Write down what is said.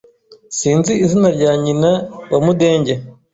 Sinzi izina rya nyina wa Mudenge.